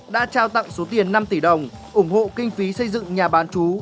đã trao tặng số tiền năm tỷ đồng ủng hộ kinh phí xây dựng nhà bán chú